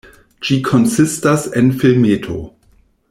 Ĝi konsistas en filmeto.